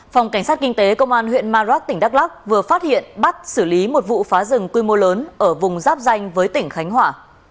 phòng cảnh sát kinh tế công an huyện madrak tỉnh đắk lắc vừa phát hiện bắt xử lý một vụ phá rừng quy mô lớn ở vùng giáp danh với tỉnh khánh hòa